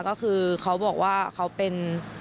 ก็คือเขาบอกว่าเขาเป็น